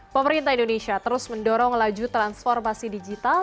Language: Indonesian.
pemerintah indonesia terus mendorong laju transformasi digital